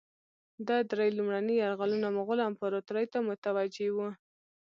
ده درې لومړني یرغلونه مغولو امپراطوري ته متوجه وه.